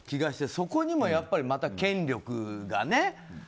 そこにもやっぱり権力がね。